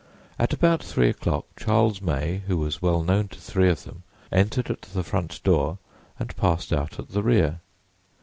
At about three o'clock Charles May, who was well known to three of them, entered at the front door and passed out at the rear.